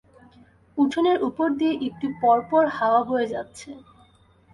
উঠোনের ওপর দিয়ে একটু পরপর হাওয়া বয়ে যাচ্ছে!